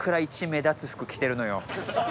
イチ目立つ服着てるのよ。